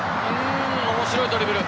面白いドリブル。